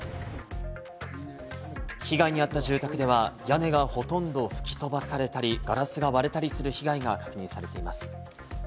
被害に遭った住宅では、屋根がほとんど吹き飛ばされたり、ガラスが割れたりする被害が確認されています。